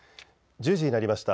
１０時になりました。